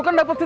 beli baru aja